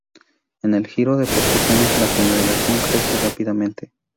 En el giro de pocos años, la congregación crece rápidamente.